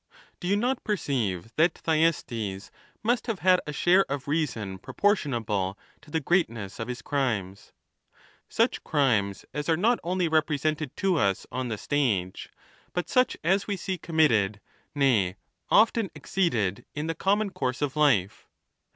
Do you not perceive that Thyestes must have had a share of reason proportionable to the greatness of his crimes — such crimes as are not only represented to us on the stage, but such as we see committed, nay, often exceed ed, in the common course of life